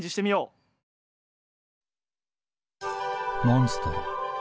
モンストロ。